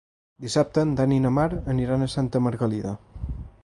Dissabte en Dan i na Mar aniran a Santa Margalida.